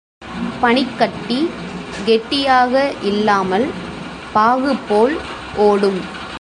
பனிக்கட்டி கெட்டியாக இல்லாமல், பாகுபோல் ஓடும்.